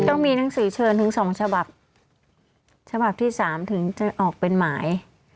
ต้องมีหนังสือเชิญถึง๒ฉบับฉบับที่๓ถึงจะออกเป็นหมาย